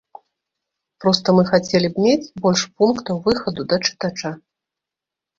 Проста мы хацелі б мець больш пунктаў выхаду да чытача.